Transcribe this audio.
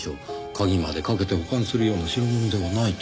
鍵までかけて保管するような代物ではないと。